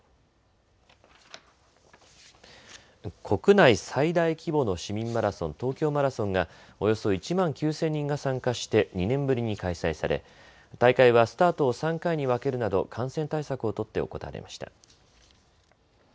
国内最大規模の市民マラソン、東京マラソンがおよそ１万９０００人が参加して２年ぶりに開催され大会はスタートを３回に分けるなど感染対策を取って行われました。